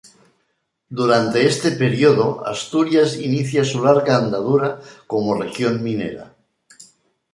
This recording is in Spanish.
Durante este período, Asturias inicia su larga andadura como región minera.